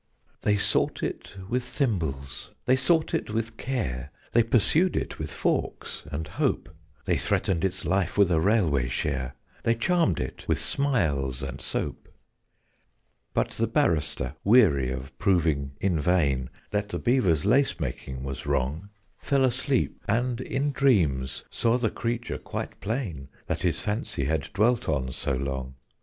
_ They sought it with thimbles, they sought it with care; They pursued it with forks and hope; They threatened its life with a railway share; They charmed it with smiles and soap. But the Barrister, weary of proving in vain That the Beaver's lace making was wrong, Fell asleep, and in dreams saw the creature quite plain That his fancy had dwelt on so long.